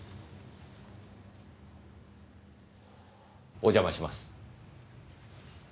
お邪魔します。